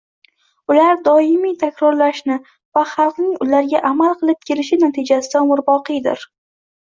Ular doimiy takrorlanishi va xalqning ularga amal qilib kelishi natijasida umrboqiydir.